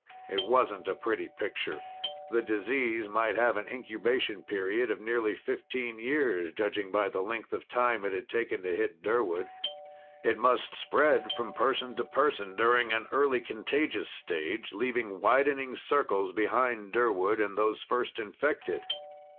It wasn't a pretty picture. The disease might have an incubation period of nearly fifteen years, judging by the length of time it had taken to hit Durwood. It must spread from person to person during an early contagious stage, leaving widening circles behind Durwood and those first infected.